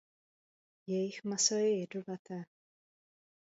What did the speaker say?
Jejich maso je jedovaté.